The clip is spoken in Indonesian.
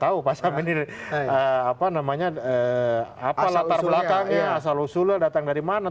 mungkin saya sendiri juga tidak tahu pak sam ini apa namanya latar belakangnya asal usulnya datang dari mana